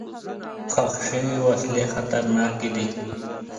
ښخ شوي وسلې خطرناکې دي.